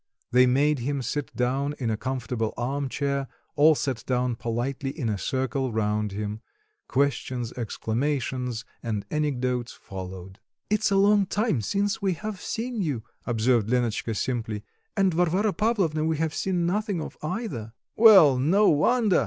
They made him sit down in a comfortable arm chair; all sat down politely in a circle round him. Questions, exclamations, and anecdotes followed. "It's a long time since we have seen you," observed Lenotchka simply, "and Varvara Pavlovna we have seen nothing of either." "Well, no wonder!"